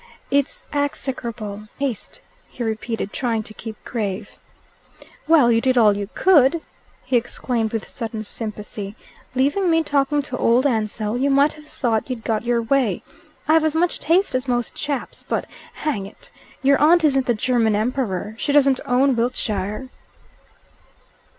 "It's execrable taste," he repeated, trying to keep grave. "Well, you did all you could," he exclaimed with sudden sympathy. "Leaving me talking to old Ansell, you might have thought you'd got your way. I've as much taste as most chaps, but, hang it! your aunt isn't the German Emperor. She doesn't own Wiltshire."